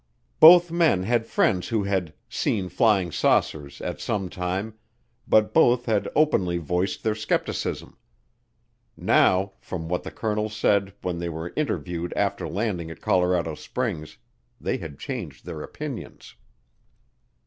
Both men had friends who had "seen flying saucers" at some time, but both had openly voiced their skepticism. Now, from what the colonels said when they were interviewed after landing at Colorado Springs, they had changed their opinions.